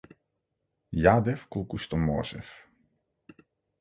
Јадев колку што можев.